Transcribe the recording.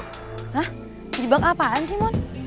hah jebak apaan sih mon